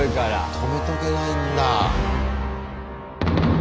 泊めとけないんだ。